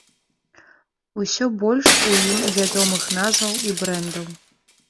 Усё больш у ім вядомых назваў і брэндаў.